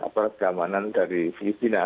perkeamanan dari filipina